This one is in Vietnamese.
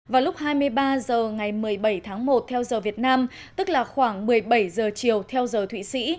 vào lúc hai mươi ba h ngày một mươi bảy tháng một theo giờ việt nam tức là khoảng một mươi bảy giờ chiều theo giờ thụy sĩ